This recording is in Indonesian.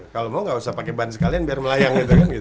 kalau mau gak usah pake ban sekalian biar melayang